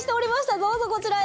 どうぞこちらへ。